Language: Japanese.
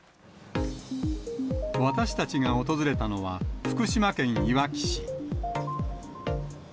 私たちが訪れたのは、福島県いわき市。